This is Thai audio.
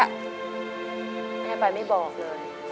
แม่ไปไม่บอกเลย